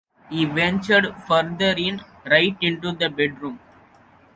He ventured further in — right into the bedroom.